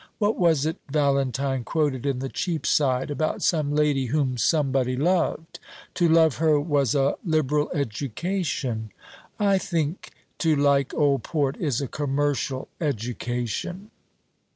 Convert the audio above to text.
What was it Valentine quoted in the Cheapside, about some lady whom somebody loved? 'To love her was a liberal education.' I think to like old port is a commercial education."